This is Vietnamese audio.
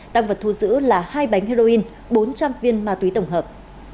tăng vật thu giữ là hai bánh heroin bốn trăm linh viên ma túy tổng hợp